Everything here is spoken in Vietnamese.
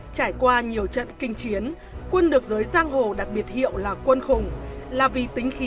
trải qua nhiều trận kinh chiến quân được giới giang hồ đặc biệt hiệu là quân khủng là vì tính khí